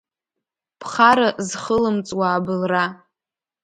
Ԥхара зхылымҵуа абылра!